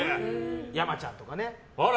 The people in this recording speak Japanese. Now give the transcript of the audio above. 山ちゃんとかね。